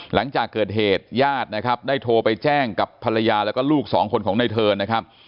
หลังจากเกิดเหตุญาตินะครับได้โทรไปแจ้งกับภรรยาแล้วก็ลูกสองคนของในเทิร์นนะครับ